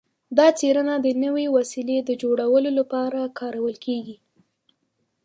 دا څیړنه د نوې وسیلې د جوړولو لپاره کارول کیږي.